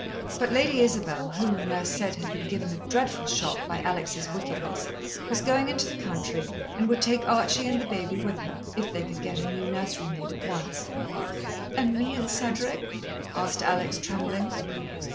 But Lady Isabel, who, Nurse said, had been given a dreadful shock by Alex' wickedness, was going into the country, and would take Archie and the baby with her, if they could get a new nursery maid at once. "And me and Cedric?" asked Alex, trembling.